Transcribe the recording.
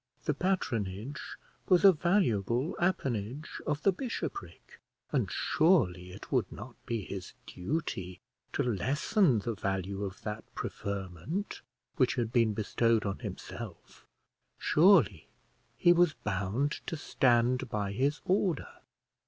The patronage was a valuable appanage of the bishopric; and surely it would not be his duty to lessen the value of that preferment which had been bestowed on himself; surely he was bound to stand by his order.